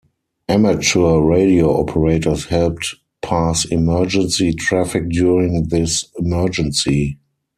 Amateur radio operators helped pass emergency traffic during this emergency.